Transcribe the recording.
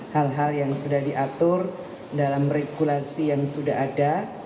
hal hal yang sudah diatur dalam regulasi yang sudah ada